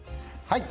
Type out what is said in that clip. はい